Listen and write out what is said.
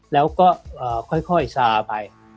แล้วก็ค่อยชาไป